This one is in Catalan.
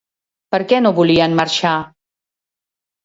Per què no volien marxar?